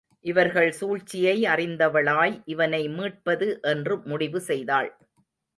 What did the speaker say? இவர்கள் சூழ்ச்சியை அறிந்தவளாய் இவனை மீட்பது என்று முடிவு செய்தாள்.